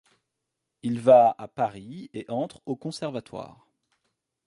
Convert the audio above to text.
Il va à Paris et entre au Conservatoire.